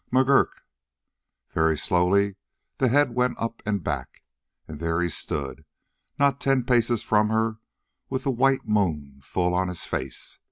"McGurk!" Very slowly the head went up and back, and there he stood, not ten paces from her, with the white moon full on his face.